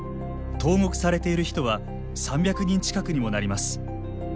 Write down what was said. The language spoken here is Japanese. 投獄されている人は３００人近くにもなります。